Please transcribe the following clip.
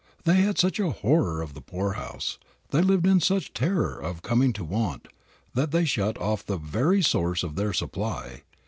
They had such a horror of the poorhouse, they lived in such terror of coming to want, that they shut off the very source of their supply.